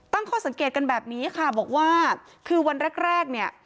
ตั้งข้อสังเกตกันแบบนี้ค่ะบอกว่าคือวันแรกแรกเนี่ย